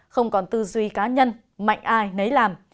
không còn tư duy cá nhân mạnh ai nấy làm